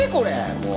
もう。